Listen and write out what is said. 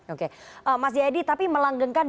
oke mas jayadi tapi melanggengkan